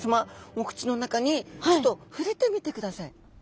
お口の中にちょっと触れてみてください。